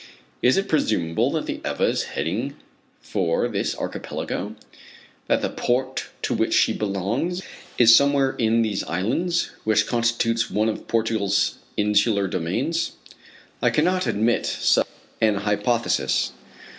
Is it presumable that the Ebba is heading for this archipelago, that the port to which she belongs is somewhere in these islands which constitute one of Portugal's insular domains? I cannot admit such an hypothesis.